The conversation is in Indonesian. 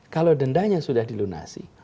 kalau dendanya sudah dilunasi